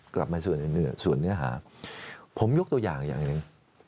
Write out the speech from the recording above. กลับมาส่วนเนื้อหาผมยกตัวอย่างอย่างหนึ่ง